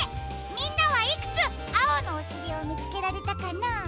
みんなはいくつあおのおしりをみつけられたかな？